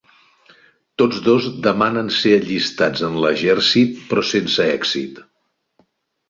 Tots dos demanen ser allistats en l'exèrcit, però sense èxit.